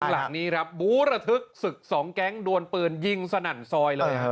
หลังนี้ครับบูรธึกสึกสองแก๊งโดนเปินยิงสนั่นซอยเลย